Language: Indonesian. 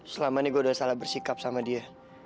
selama ini gue udah salah bersikap sama dia